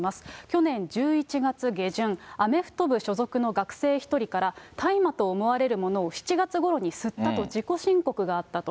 去年１１月下旬、アメフト部所属の学生１人から、大麻と思われるものを７月ごろに吸ったと自己申告があったと。